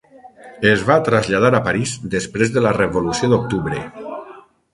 Es va traslladar a París després de la Revolució d'Octubre.